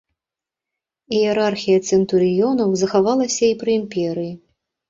Іерархія цэнтурыёнаў захавалася і пры імперыі.